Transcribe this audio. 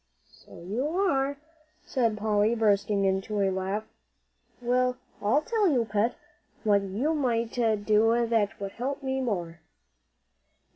"So you are," said Polly, bursting into a laugh. "Well, I tell you, Pet, what you might do that would help me more."